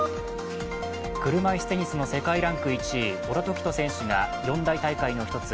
車いすテニスの世界ランク１位、小田凱人選手が四大大会の一つ